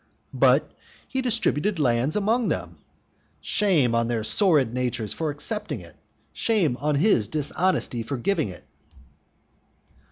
"But he distributed land among them". Shame on their sordid natures for accepting it! shame on his dishonesty for giving it!